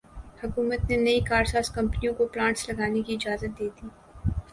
حکومت نے نئی کارساز کمپنیوں کو پلانٹس لگانے کی اجازت دیدی